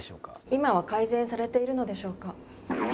今は改善されているのでしょうか？